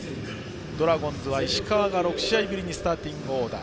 ドラゴンズは石川が６試合ぶりにスターティングオーダー。